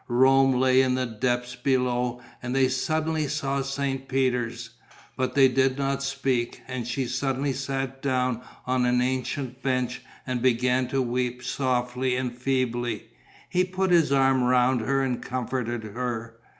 Rome lay in the depths below; and they suddenly saw St. Peter's. But they did not speak; and she suddenly sat down on an ancient bench and began to weep softly and feebly. He put his arm round her and comforted her.